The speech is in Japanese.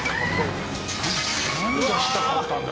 何がしたかったんだ？